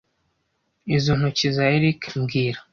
Izo ntoki za Eric mbwira